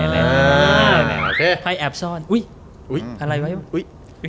โอเคให้แอบซ่อนอุ๊ยอะไรวะอุ๊ย